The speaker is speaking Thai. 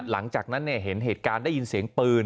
หลังจากนั้นเห็นเหตุการณ์ได้ยินเสียงปืน